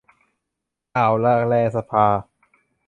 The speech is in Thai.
อ่าวอะแลสกา